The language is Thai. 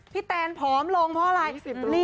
พี่แตนพร้อมลงเพราะอะไร